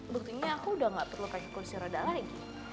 berikutnya aku udah gak perlu kaki kursi roda lagi